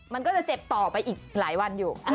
มันก็จะเจ็บต่อไปอีกหลายวันอยู่